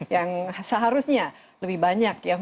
yang seharusnya lebih banyak ya